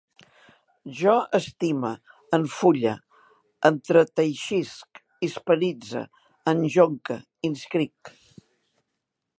Jo estime, enfulle, entreteixisc, hispanitze, enjonque, inscric